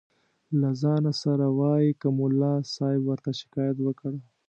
له ځانه سره وایي که ملا صاحب ورته شکایت وکړ.